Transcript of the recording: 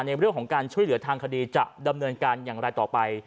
ในเรื่องของการช่วยเหลือทางคดีจะดำเนินการอย่างไรต่อไป